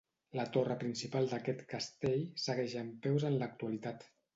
La torre principal d'aquest castell segueix en peus en l'actualitat.